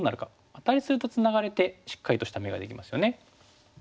アタリするとツナがれてしっかりとした眼ができますよね。